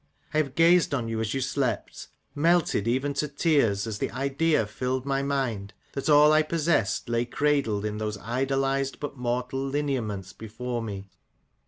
I have gazed on you as you slept, melted even to tears, as the idea filled my mind, that all I possessed lay cradled in those idolized, but mortal lineaments before me.